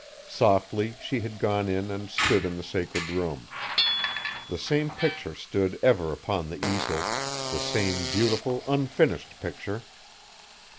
Softly she had gone in and stood in the sacred room. The same picture stood ever upon the easel, the same beautiful unfinished picture!